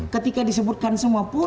ketika disebutkan semua pun